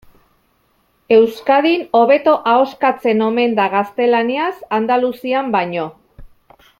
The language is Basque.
Euskadin hobeto ahoskatzen omen da gaztelaniaz Andaluzian baino.